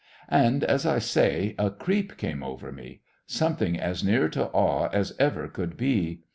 And, as I say, a creep came over me something as near to awe as ever could be.